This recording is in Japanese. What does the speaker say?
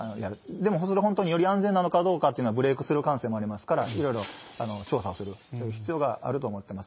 でも、本当にそれはより安全なのかどうかというのは、ブレークスルー感染もありますから、いろいろ調査をする必要があると思ってます。